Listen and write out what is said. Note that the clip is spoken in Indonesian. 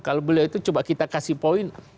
kalau beliau itu coba kita kasih poin